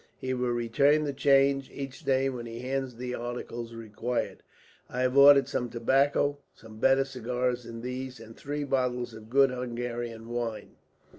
He will return the change, each day, when he hands in the articles required. "I have ordered some tobacco, some better cigars than these, and three bottles of good Hungarian wine.